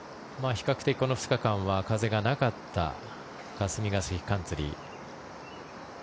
比較的、この２日間は風がなかった霞ヶ関カンツリー。